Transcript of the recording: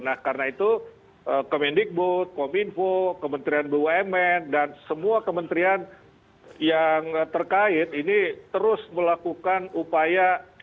nah karena itu kemendikbud kominfo kementerian bumn dan semua kementerian yang terkait ini terus melakukan upaya